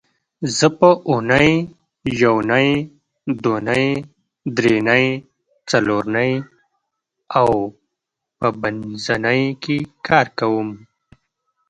زه په اونۍ یونۍ دونۍ درېنۍ څلورنۍ او پبنځنۍ کې کار کوم